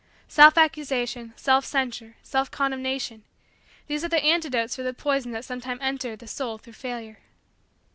Self accusation, self censure, self condemnation: these are the antidotes for the poison that sometimes enters the soul through Failure.